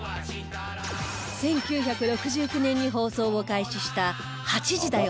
１９６９年に放送を開始した『８時だョ！